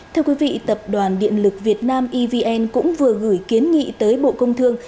thưa quý vị tập đoàn điện lực việt nam evn cũng vừa gửi kiến nghị tới bộ công thương